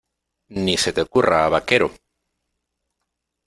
¡ Ni se te ocurra, vaquero!